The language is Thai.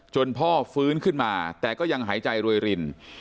พ่อฟื้นขึ้นมาแต่ก็ยังหายใจรวยริน